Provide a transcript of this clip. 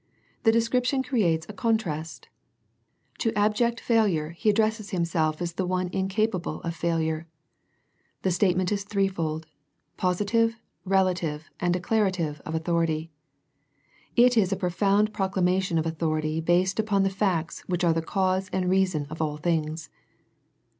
The description creates a contrast. To abject failure He addresses Himself as the One incapable of failure. The statement is threefold; positive, relative, and declarative of authority. It is a profound proclamation of authority based upon the facts which are the cause and reason of all things.